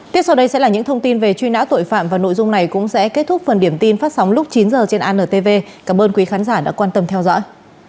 tiếp sau đây sẽ là những thông tin về truy nã tội phạm và nội dung này cũng sẽ kết thúc phần điểm tin phát sóng lúc chín h trên antv cảm ơn quý khán giả đã quan tâm theo dõi